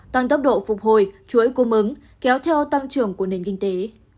tăng tốc độ phục hồi chuỗi cung ứng kéo theo tăng trưởng của nền kinh tế